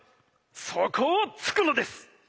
そこをつくのです。